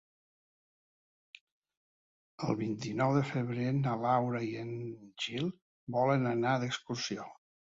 El vint-i-nou de febrer na Laura i en Gil volen anar d'excursió.